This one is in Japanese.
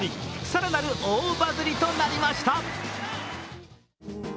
更なる大バズリとなりました。